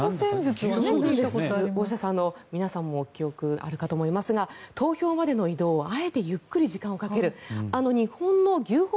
大下さんも皆さんも記憶にあると思いますが投票までの移動をあえてゆっくり時間をかけるあの日本の牛歩